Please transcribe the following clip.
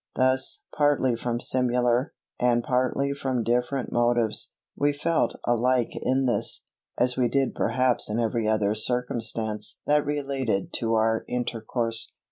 Thus, partly from similar, and partly from different motives, we felt alike in this, as we did perhaps in every other circumstance that related to our intercourse.